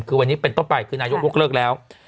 คือวันนี้เป็นต้นไปคือนายกยกเลิกแล้ว